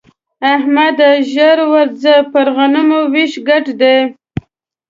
احمده! ژر ورځه پر غنمو وېش ګډ دی.